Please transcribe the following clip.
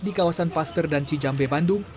di kawasan paster dan cijambe bandung